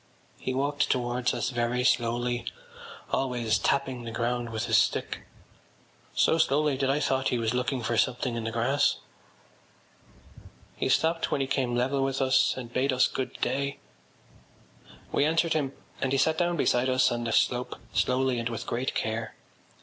He walked towards us very slowly, always tapping the ground with his stick, so slowly that I thought he was looking for something in the grass. He stopped when he came level with us and bade us good day. We answered him and he sat down beside us on the slope slowly and with great care.